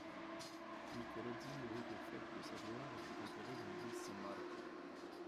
Michelozzi mourut au faîte de sa gloire, et fut enterré dans l’église San Marco.